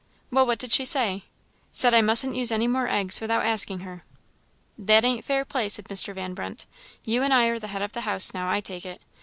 "Well, what did she say?" "Said I mustn't use any more eggs without asking her." "That ain't fair play," said Mr. Van Brunt; "you and I are the head of the house now, I take it.